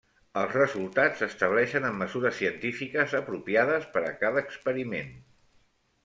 Els resultats s'estableixen amb mesures científiques apropiades per a cada experiment.